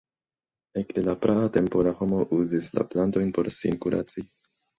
Ekde la praa tempo la homo uzis la plantojn por sin kuraci.